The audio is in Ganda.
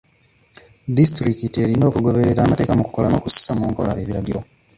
Disitulikiti erina okugoberera amateeka mu kukola n'okussa mu nkola ebiragiro.